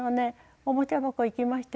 おもちゃ箱行きましてね